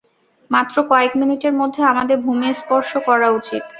মাত্র কয়েক মিনিটের মধ্যে আমাদের ভূমি স্পর্শ করা উচিত।